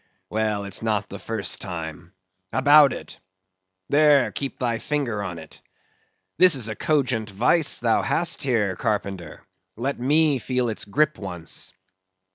Well, it's not the first time. About it! There; keep thy finger on it. This is a cogent vice thou hast here, carpenter; let me feel its grip once.